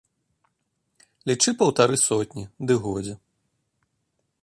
Лічы паўтары сотні, ды годзе!